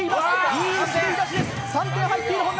いい滑り出しです。